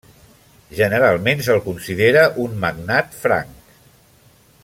Generalment se'l considera un magnat franc.